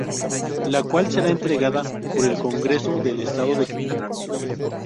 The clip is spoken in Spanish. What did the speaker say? La cual será entregada por el Congreso del Estado de Quintana Roo